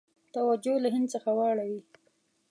توجه له هند څخه واړوي.